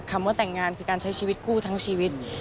คำว่าแต่งงานคือการใช้ชีวิตคู่ทั้งชีวิต